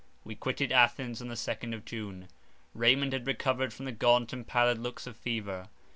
We quitted Athens on the 2nd of June. Raymond had recovered from the gaunt and pallid looks of fever.